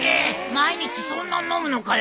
毎日そんな飲むのかよ。